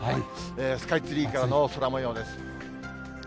スカイツリーからの空もようです。